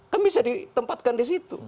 kan bisa ditempatkan di situ